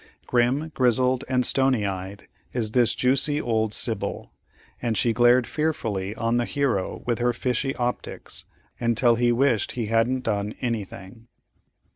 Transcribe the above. Grim, grizzled, and stony eyed, is this juicy old Sibyl; and she glared fearfully on the hero with her fishy optics, until he wished he hadn't done anything.